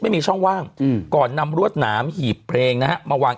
ไม่มีช่องว่างก่อนนำรวดหนามหีบเพลงนะฮะมาวาง